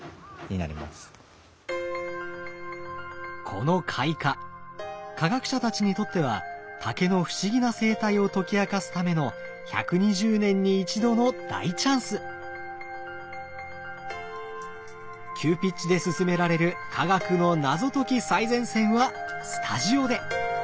この開花科学者たちにとっては竹の不思議な生態を解き明かすための急ピッチで進められる科学の謎解き最前線はスタジオで！